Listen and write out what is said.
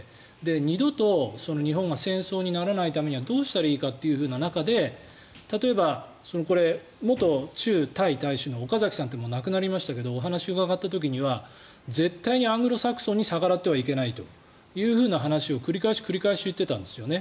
二度と日本が戦争にならないためにはどうしたらいいかという中で例えばこれは元駐タイ大使の岡崎さんというもう亡くなりましたがお話を伺った時は絶対にアングロサクソンに逆らってはいけないという話を繰り返し言っていたんですよね。